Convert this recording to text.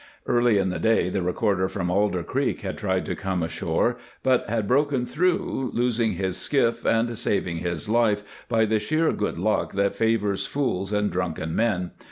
Early in the day the recorder from Alder Creek had tried to come ashore, but had broken through, losing his skiff and saving his life by the sheer good luck that favors fools and drunken men.